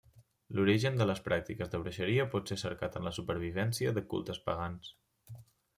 L'origen de les pràctiques de bruixeria pot ser cercat en la supervivència de cultes pagans.